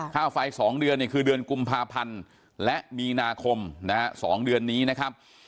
ค่าไฟ๒เดือนคือเดือนกุมภาพันธ์และมีนาคมนะฮะ๒เดือนนี้นะครับ